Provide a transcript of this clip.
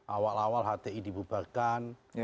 awal awal hti dibubarkan